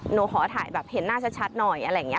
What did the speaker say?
หนูขอถ่ายแบบเห็นหน้าชัดหน่อยอะไรอย่างนี้